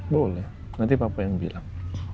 boleh nanti bapak yang bilang